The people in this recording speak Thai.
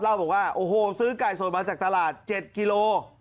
เล่าบอกว่าโอ้โหซื้อไก่สดมาจากตลาด๗กิโล